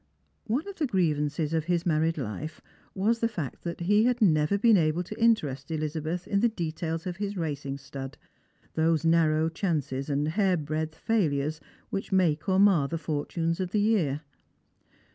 One of the grievances of his married life was the fact that he had never been able to interest EUzabeth in the details of his racing stud, those narrow chances and hairbreadth failures which make or mar the fortunes of the year.